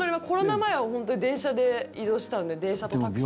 コロナ前は本当に電車で移動してたんで。